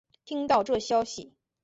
听到这消息